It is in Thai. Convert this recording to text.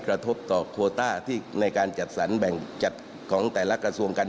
กระทบต่อโควต้าที่ในการจัดสรรแบ่งจัดของแต่ละกระทรวงการ